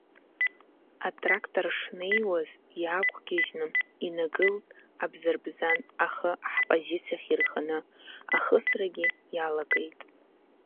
Атрактор шнеиуаз, иаақәгьежьны инагылт абзарбзан ахы ҳпозициахь ирханы, ахысрагьы иалагеит.